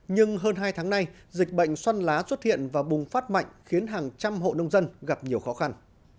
nhưng hơn hai tháng nay dịch bệnh xăn lá xuất hiện và bùng phát mạnh khiến hàng trăm hộ nông dân gặp nhiều khó khăn